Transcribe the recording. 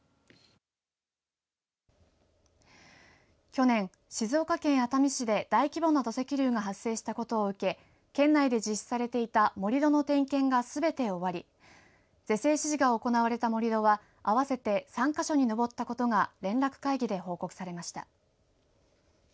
去年、静岡県熱海市で大規模な土石流が発生したことを受け県内で実施されていた盛り土の点検がすべて終わり是正指示が行われた盛り土は合わせて３か所に上ったことが連絡会議で報告されました。